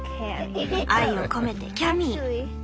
愛を込めてキャミー。